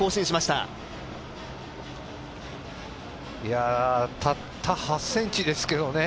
たった８ｃｍですけどね。